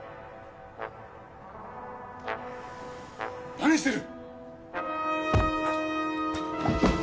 何してる！？